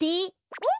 おっ？